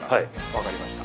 わかりました。